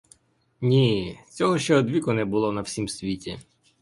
Ні, цього ще одвіку не було на всім світі.